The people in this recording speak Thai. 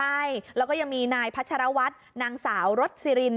ใช่แล้วก็ยังมีนายพัชรวัตรนางสาวรสซิริน